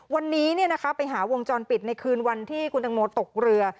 วันนี้ไปหาวงจรปิดในคืนวันที่คุณตังโมตกเรือ